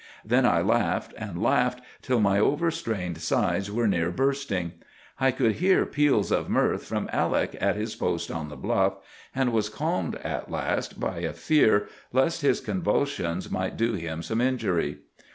Then I laughed and laughed till my over strained sides were near bursting. I could hear peals of mirth from Alec at his post on the bluff, and was calmed at last by a fear lest his convulsions might do him some injury.